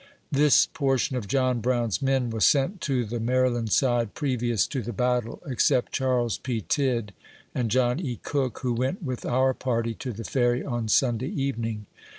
This portion of John Brown's men was sent to the Mary land side previous to the battle, except Charles P. Tidd and John E. Cook, who went with our party to the Ferry on Sunday evening.